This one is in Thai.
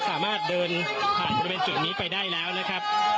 สามารถเดินผ่านบริเวณจุดนี้ไปได้แล้วนะครับ